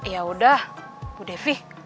ya udah bu devi